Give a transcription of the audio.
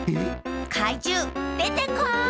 かいじゅうでてこい！